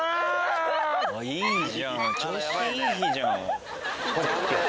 いいじゃん調子いい日じゃん。